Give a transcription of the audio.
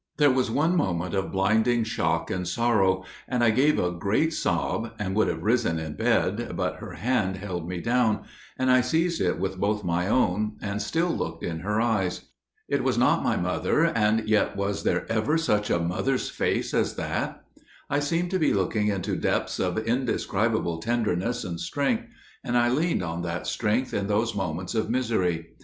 "There was one moment of blinding shock and sorrow, and I gave a great sob, and would have risen in bed, but her hand held me down, and I seized it with both my own, and still looked in her eyes. It was not my mother, and yet was there ever such a mother's face as that? I seemed to be looking into depths of indescribable tenderness and strength, and I leaned on that strength in those moments of misery.